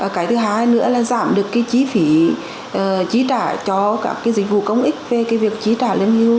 cái thứ hai nữa là giảm được cái chi phí chi trả cho các dịch vụ công ích về cái việc chi trả lương hưu